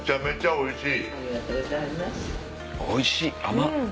おいしい！